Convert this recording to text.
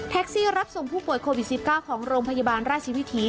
ซี่รับส่งผู้ป่วยโควิด๑๙ของโรงพยาบาลราชวิถี